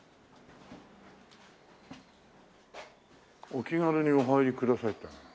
「お気軽にお入りください」って。